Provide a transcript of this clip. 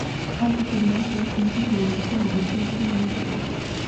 Intuitivement, cela signifie que le lacet ne dessine qu'une unique boucle.